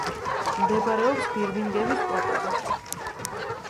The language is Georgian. მდებარეობს ბირმინგემის პლატოზე.